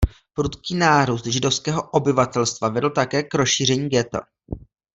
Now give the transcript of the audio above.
Prudký nárůst židovského obyvatelstva vedl také k rozšíření ghetta.